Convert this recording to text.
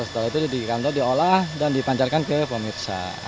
setelah itu di kantor diolah dan dipancarkan ke pemirsa